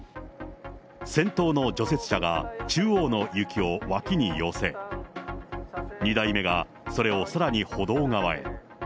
先頭の除雪車が中央の雪を脇に寄せ、２台目がそれをさらに歩道側へ。